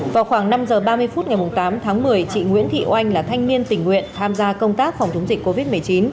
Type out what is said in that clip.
vào khoảng năm giờ ba mươi phút ngày tám tháng một mươi chị nguyễn thị oanh là thanh niên tình nguyện tham gia công tác phòng chống dịch covid một mươi chín